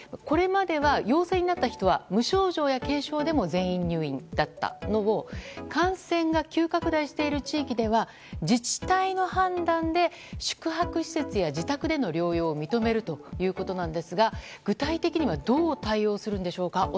これまでは陽性になった人は無症状や軽症でも全員入院だったのを感染が急拡大している地域では自治体の判断で宿泊施設や自宅での療養を認めるということなんですが具体的にはどう対応するんでしょうか。